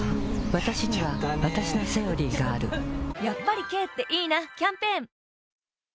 わたしにはわたしの「セオリー」があるやっぱり軽っていいなキャンペーン